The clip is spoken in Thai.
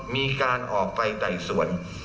มีการออกไปใดส่วน